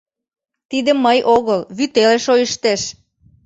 – Тиде мый огыл, вӱтеле шойыштеш.